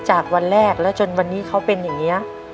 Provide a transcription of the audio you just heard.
จากวันแรกแล้วจนวันนี้เขาเป็นอย่างนี้